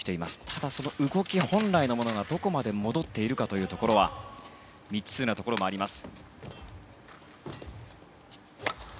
ただ、その動き本来のものがどこまで戻っているかは未知数なところもあります。